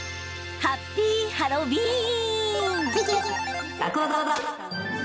ハッピーハロウィーン！